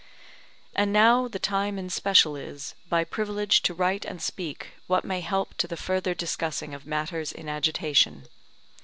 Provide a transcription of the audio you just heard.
And now the time in special is, by privilege to write and speak what may help to the further discussing of matters in agitation.